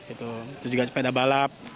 itu juga sepeda balap